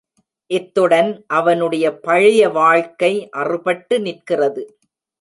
இத்துடன் அவனுடைய பழைய வாழ்க்கை அறுபட்டு நிற்கிறது.